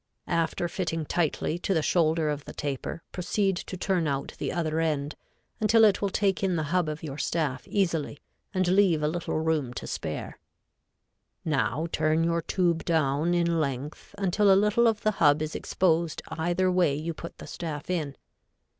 After fitting tightly to the shoulder of the taper, proceed to turn out the other end until it will take in the hub of your staff easily and leave a little room to spare. Now turn your tube down in length until a little of the hub is exposed either way you put the staff in.